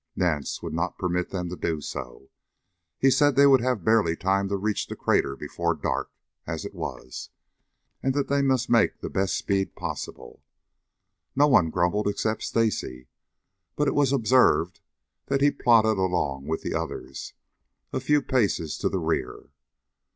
Nance would not permit them to do so. He said they would have barely time to reach the crater before dark, as it was, and that they must make the best speed possible. No one grumbled except Stacy, but it was observed that he plodded along with the others, a few paces to the rear.